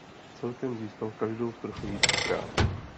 Celkem získal každou z trofejí třikrát.